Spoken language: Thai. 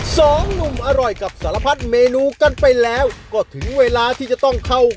สองหนุ่มอร่อยกับสารพัดเมนูกันไปแล้วก็ถึงเวลาที่จะต้องเข้า